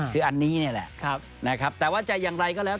คืออันนี้นี่แหละนะครับแต่ว่าจะอย่างไรก็แล้ว